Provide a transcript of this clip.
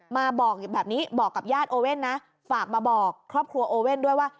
มาบอกแบบนี้บอกกับญาติโอเว่นนะฝากมาบอกครอบครัวโอเว่นด้วยว่า